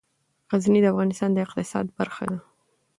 غزني د افغانستان د اقتصاد برخه ده.